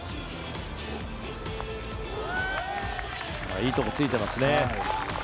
いいところついていますね。